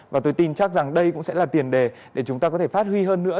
và tôi tin chắc rằng đây cũng sẽ là tiền đề để chúng ta có thể phát huy hơn nữa